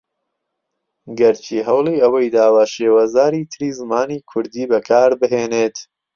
گەر چی ھەوڵی ئەوەی داوە شێوەزاری تری زمانی کوردی بەکاربھێنێت